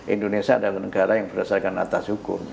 indonesia adalah negara yang berdasarkan atas hukum